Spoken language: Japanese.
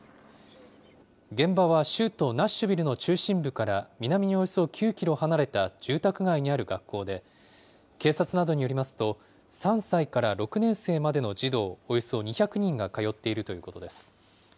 現場は州都ナッシュビルの中心部から南におよそ９キロ離れた住宅街にある学校で、警察などによりますと、３歳から６年生までの児童およそ２００人が通っているということです。